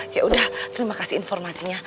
ya udah terima kasih informasinya